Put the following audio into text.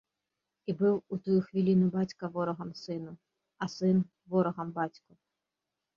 І быў у тую хвіліну бацька ворагам сыну, а сын ворагам бацьку.